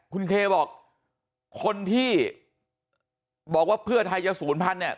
คุณเคบอกคนที่บอกว่าเพื่อไทยจะ๐๐เนี่ย